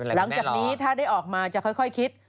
หลังจากนี้ถ้าได้ออกมาจะค่อยคิด